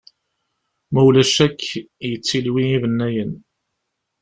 Ma ulac akk, yettliwi ibennayen.